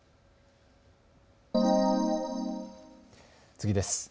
次です。